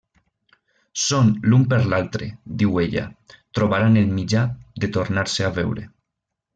Són l'un per l'altre, diu ella, trobaran el mitjà de tornar-se a veure.